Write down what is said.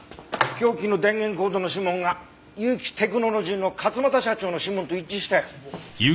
凶器の電源コードの指紋が結城テクノロジーの勝又社長の指紋と一致したよ。